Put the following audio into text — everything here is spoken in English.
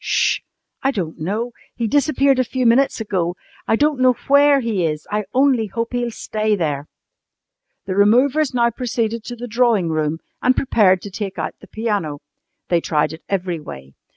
"'Sh! I don't know. He disappeared a few minutes ago. I don't know where he is. I only hope he'll stay there!" The removers now proceeded to the drawing room and prepared to take out the piano. They tried it every way.